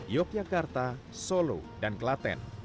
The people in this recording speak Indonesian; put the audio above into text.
yogyakarta solo dan klaten